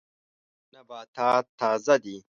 نباتات تازه دي.